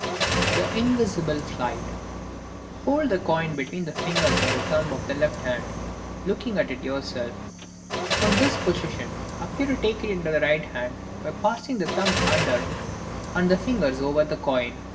The Invisible Flight.—Hold the coin between the fingers and thumb of the left hand, looking at it yourself. From this position appear to take it in the right hand by passing the thumb under and the fingers over the coin.